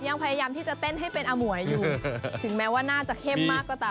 ยังพยายามที่จะเต้นให้เป็นอมวยอยู่ถึงแม้ว่าน่าจะเข้มมากก็ตาม